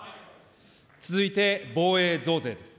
続いて防衛増税です。